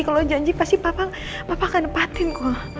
kalau janji pasti papa akan nempatin kok